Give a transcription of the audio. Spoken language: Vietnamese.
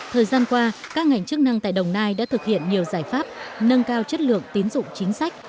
thời gian qua các ngành chức năng tại đồng nai đã thực hiện nhiều giải pháp nâng cao chất lượng tín dụng chính sách